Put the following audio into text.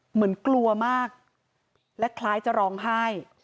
เหมือนกลัวมากและคล้ายจะร้องไห้